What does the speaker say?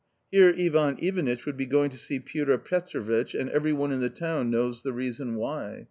Here Ivan Ivanitch would be going to see Piotr Piotrovitch — and every one in the town knows the reason why.